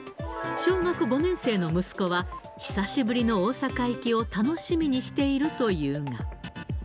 小学５年生の息子は、久しぶりの大阪行きを楽しみにしているというが。